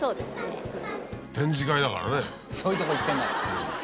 そういうとこ行ってんだから。